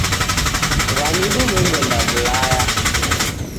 W'anidu w'eghenda w'ulaya